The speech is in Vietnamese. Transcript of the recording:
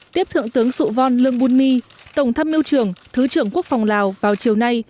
tiếp thượng tướng sụ vòn lương buôn my tổng thăm miêu trưởng thứ trưởng quốc phòng lào vào chiều nay